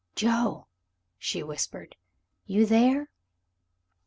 Joe," she whispered, "you there?"